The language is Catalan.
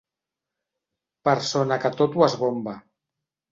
Persona que tot ho esbomba.